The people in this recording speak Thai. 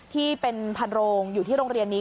ที่เป็นพันโรงอยู่ที่โรงเรียนนี้